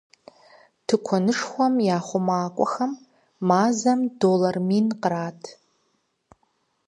Тыкуэнышхуэм я хъумакӏуэхэм мазэм доллар мин кърат.